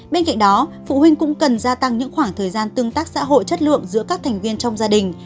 bên cạnh đó phụ huynh cũng cần gia tăng những khoảng thời gian tương tác xã hội chất lượng giữa các thành viên trong gia đình